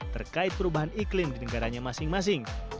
terkait perubahan iklim di negaranya masing masing